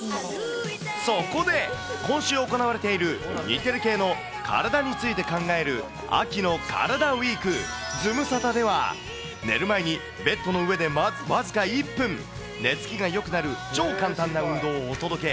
そこで、今週行われている日テレ系の体について考える秋のカラダＷＥＥＫ、ズムサタでは、寝る前にベッドの上で僅か１分、寝つきがよくなる超簡単な運動をお届け。